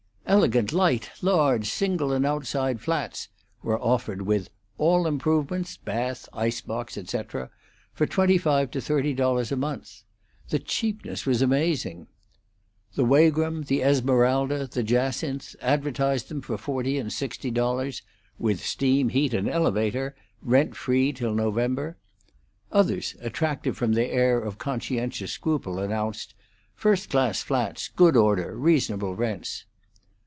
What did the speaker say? "Elegant, light, large, single and outside flats" were offered with "all improvements bath, ice box, etc." for twenty five to thirty dollars a month. The cheapness was amazing. The Wagram, the Esmeralda, the Jacinth, advertised them for forty dollars and sixty dollars, "with steam heat and elevator," rent free till November. Others, attractive from their air of conscientious scruple, announced "first class flats; good order; reasonable rents."